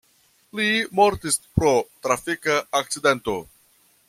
Li mortis pro trafika akcidento.